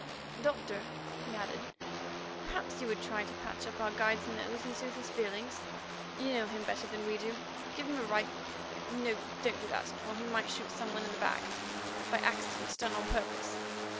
"Doctor," he added, "perhaps you would try to patch up our guide's nose and soothe his feelings. You know him better than we do. Give him a rifle. No, don't do that, or he might shoot some one in the back—by accident done on purpose.